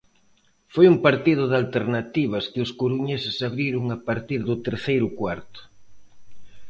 Foi un partido de alternativas que os coruñeses abriron a partir do terceiro cuarto.